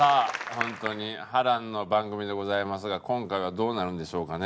本当に波乱の番組でございますが今回はどうなるんでしょうかね？